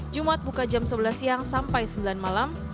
jumat buka jam sebelas siang sampai sembilan malam